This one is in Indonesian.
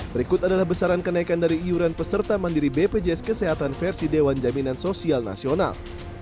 berikut adalah besaran kenaikan dari iuran peserta mandiri bpjs kesehatan versi dewan jaminan sosial nasional